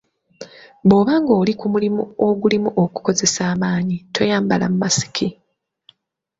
Bw’oba ng’oli ku mulimu ogulimu okukozesa amaanyi toyambala makisiki.